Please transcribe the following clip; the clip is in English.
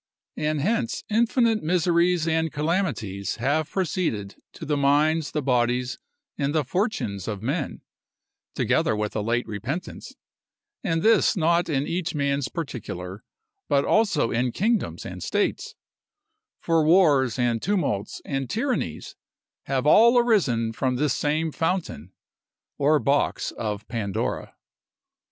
And hence infinite miseries and calamities have proceeded to the minds, the bodies, and the fortunes of men, together with a late repentance; and this not in each man's particular, but also in kingdoms and states; for wars, and tumults, and tyrannies, have all arisen from this same fountain, or box of Pandora.